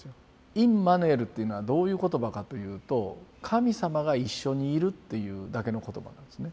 インマヌエルっていうのはどういう言葉かというと神様が一緒にいるっていうだけの言葉なんですね。